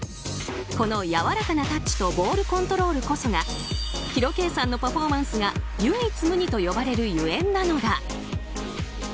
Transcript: このやわらかなタッチとボールコントロールこそがＨＩＲＯ‐Ｋさんのパフォーマンスが唯一無二と呼ばれるゆえんなのだ。